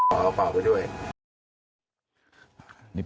เอากระเป๋าไปด้วย